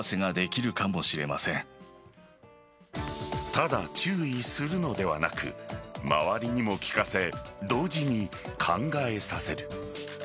ただ注意するのではなく周りにも聞かせ同時に考えさせる。